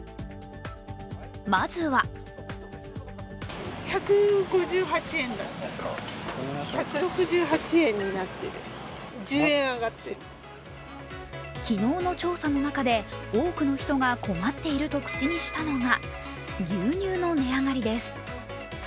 まずは昨日の調査の中で多くの人が困っていると口にしたのが牛乳の値上がりです。